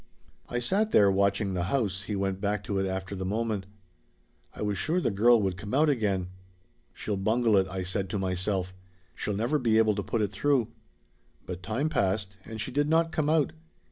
"I sat there watching the house," he went back to it after the moment. "I was sure the girl would come out again. 'She'll bungle it,' I said to myself. 'She'll never be able to put it through.' But time passed and she did not come out!"